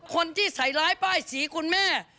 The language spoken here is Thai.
คนที่ใส่ร้ายป้ายสีคุณแม่